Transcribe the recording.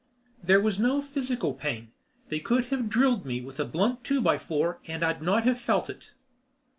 There was no physical pain. They could have drilled me with a blunt two by four and I'd not have felt it.